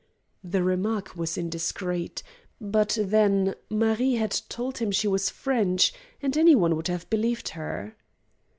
The remark was indiscreet, but then Marie had told him she was French, and any one would have believed her.